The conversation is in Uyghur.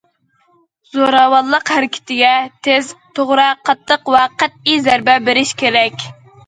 زوراۋانلىق ھەرىكىتىگە تېز، توغرا، قاتتىق ۋە قەتئىي زەربە بېرىش كېرەك.